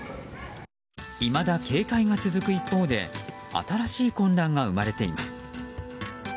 いまだ警戒が続く一方で新しい混乱が生まれています。